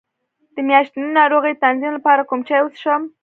د میاشتنۍ ناروغۍ د تنظیم لپاره کوم چای وڅښم؟